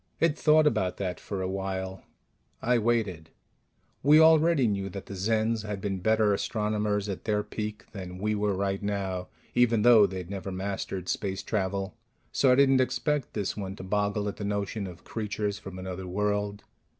It thought about that for a while. I waited. We already knew that the Zens had been better astronomers at their peak than we were right now, even though they'd never mastered space travel; so I didn't expect this one to boggle at the notion of creatures from another world.